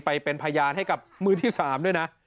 ไปเป็นพยานให้กับมือที่๓ด้วยนะ